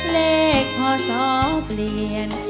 เลขพ่อซ้อเปลี่ยน